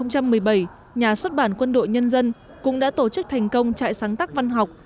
năm hai nghìn một mươi bảy nhà xuất bản quân đội nhân dân cũng đã tổ chức thành công trại sáng tác văn học